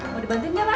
mau dibantuin gak mak